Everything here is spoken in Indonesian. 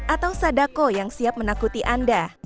atau sadako yang siap menakuti anda